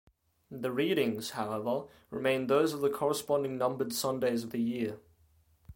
The readings, however, remain those of the corresponding numbered Sundays of the year.